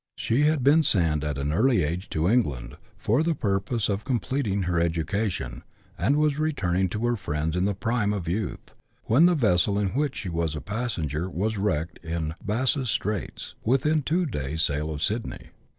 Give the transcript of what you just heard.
She had been sent at an early age to England, for the purpose of com pleting her education, and was returning to her friends in the prime of youth, when the vessel in which she was a passenger was wrecked in Bass's Straits, within two days' sail of Sydney.